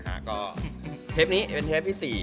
แล้วก็เทปนี้เป็นเทปที่สี่